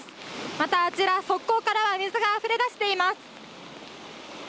またあちら、側溝からは水があふれ出しています。